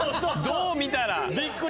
どう見たら？